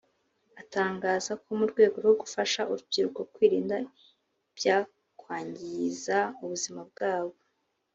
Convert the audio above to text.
atangaza ko mu rwego rwo gufasha urubyiruko kwirinda ibyakwangiza ubuzima bwabo